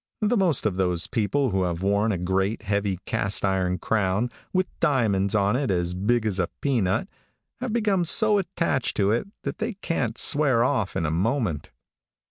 The most of those people who have worn a great, heavy cast iron crown, with diamonds on it as big as a peanut, have become so attached to it that they can't swear off in a moment.